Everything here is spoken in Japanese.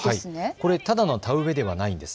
これただの田植えではないんです。